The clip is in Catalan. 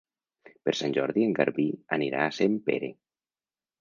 Per Sant Jordi en Garbí anirà a Sempere.